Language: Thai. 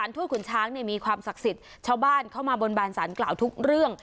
ถ้วยขุนช้างมีความศักดิ์สิทธิ์ชาวบ้านเข้ามาบนบานสารกล่าวทุกเรื่อง